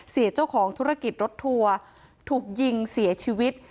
เจ้าของธุรกิจรถทัวร์ถูกยิงเสียชีวิต